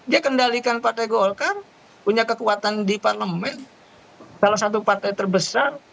dia kendalikan partai golkar punya kekuatan di parlemen salah satu partai terbesar